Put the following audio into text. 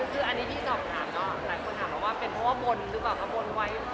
คืออันนี้พี่ต้องถามพูดเพราะว่าเ฼เรา้วเบดจิตแมรกนี่